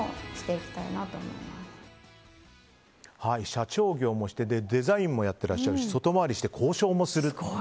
社長業もしてデザインもやってらっしゃるし外回りして交渉もするという。